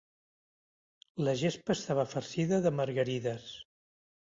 La gespa estava farcida de margarides.